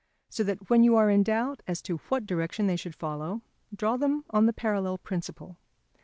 So that when you are in doubt as to what direction they should follow, draw them on the parallel principle.